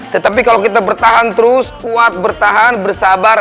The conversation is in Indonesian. tetapi kalau kita bertahan terus kuat bertahan bersabar